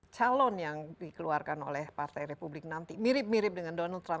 calon yang dikeluarkan oleh partai republik nanti mirip mirip dengan donald trump